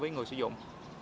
với người sử dụng